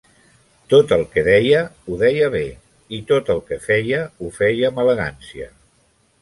Tot el que deia, ho deia bé; i tot el que feia, ho feia amb elegància.